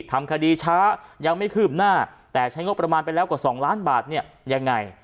ทำคดีช้ายังไม่คืบหน้าแต่ใช้งบประมาณไปแล้วกว่า๒ล้านบาทเนี่ยยังไง